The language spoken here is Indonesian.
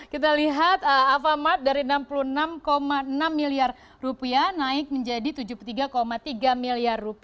kita lihat alfamart dari rp enam puluh enam enam miliar naik menjadi rp tujuh puluh tiga tiga miliar